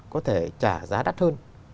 có thể trả giá đắt hơn